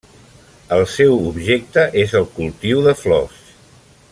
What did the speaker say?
El seu objecte és el cultiu de flors.